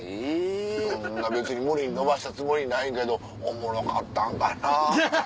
そんな別に無理にのばしたつもりないけどおもろかったんかな。